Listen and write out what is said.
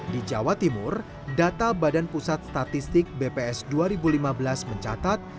di jawa timur data badan pusat statistik bps dua ribu lima belas mencatat